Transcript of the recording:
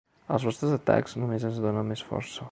Els vostres atacs només ens donen més força.